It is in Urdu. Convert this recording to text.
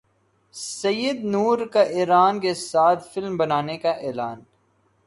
سید نور کا ایران کے ساتھ فلم بنانے کا اعلان